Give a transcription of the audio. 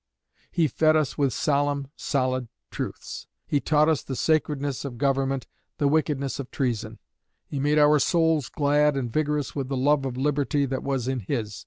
He fed us with solemn, solid truths. He taught us the sacredness of government, the wickedness of treason. He made our souls glad and vigorous with the love of Liberty that was in his.